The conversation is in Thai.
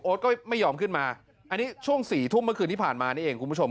ก็ไม่ยอมขึ้นมาอันนี้ช่วง๔ทุ่มเมื่อคืนที่ผ่านมานี่เองคุณผู้ชม